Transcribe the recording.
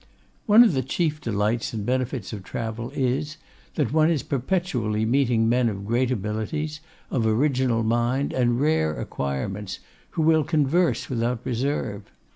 One of the chief delights and benefits of travel is, that one is perpetually meeting men of great abilities, of original mind, and rare acquirements, who will converse without reserve.